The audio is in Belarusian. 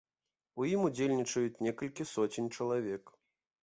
У ім удзельнічаюць некалькі соцень чалавек.